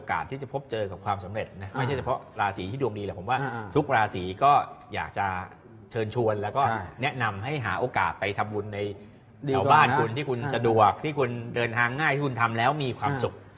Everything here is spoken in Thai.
อากาศไปทำบุญในแถวบ้านคุณที่คุณสะดวกที่คุณเดินทางง่ายที่คุณทำแล้วมีความขึ้น